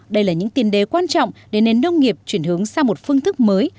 đây là những tiền đề quan trọng để nền nông nghiệp chuyển hướng sang một phương thức mới